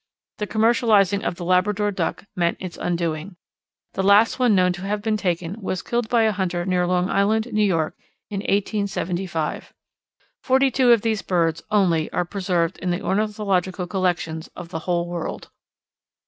The commercializing of the Labrador Duck meant its undoing. The last one known to have been taken was killed by a hunter near Long Island, New York, in 1875. Forty two of these birds only are preserved in the ornithological collections of the whole world.